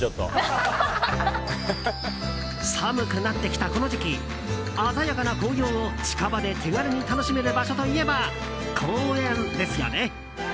寒くなってきたこの時期鮮やかな紅葉を近場で手軽に楽しめる場所といえば公園ですよね。